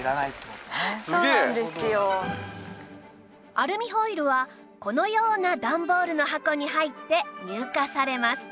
アルミホイルはこのような段ボールの箱に入って入荷されます